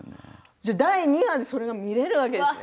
じゃあ、第２話でそれを見れるわけですね。